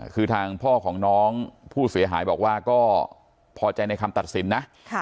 คือทางพ่อของน้องผู้เสียหายบอกว่าก็พอใจในคำตัดสินนะ